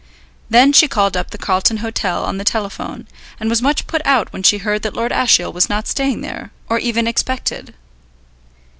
Then she called up the Carlton Hotel on the telephone, and was much put out when she heard that Lord Ashiel was not staying there, or even expected.